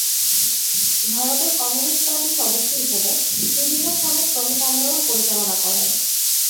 ভারতের কমিউনিস্ট পার্টির সদস্য হিসেবে বিভিন্ন স্থানে শ্রমিক আন্দোলন পরিচালনা করেন।